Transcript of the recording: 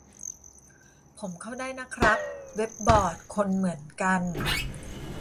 ผมเข้าได้นะครับ เว็บบอร์ด คนเหมือนกัน